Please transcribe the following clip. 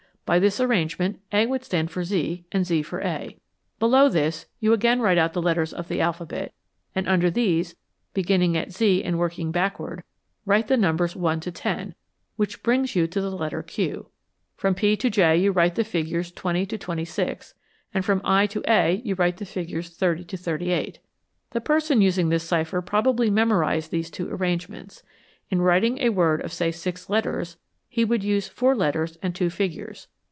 By this arrangement, A would stand for Z and Z for A. Below This you again write out the letters of the alphabet, and under these, beginning at Z and working backward, write the numbers 1 to 10, which brings you to the letter Q. From P to J you write the figures 20 to 26 and from I to A you write the figures 30 to 38. The person using this cipher probably memorized these two arrangements. In writing a word of say six letters, he would use four letters and two figures.